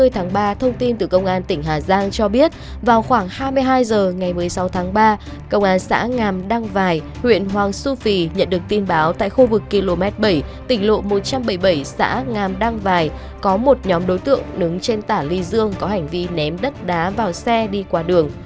ba mươi tháng ba thông tin từ công an tỉnh hà giang cho biết vào khoảng hai mươi hai h ngày một mươi sáu tháng ba công an xã ngam đăng vài huyện hoàng su phi nhận được tin báo tại khu vực km bảy tỉnh lộ một trăm bảy mươi bảy xã ngam đăng bài có một nhóm đối tượng đứng trên tả ly dương có hành vi ném đất đá vào xe đi qua đường